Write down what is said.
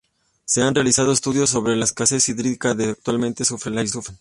Se han realizado estudios sobre la escasez hídrica que actualmente sufre la isla.